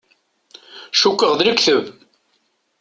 Cukkeɣ d lekdeb.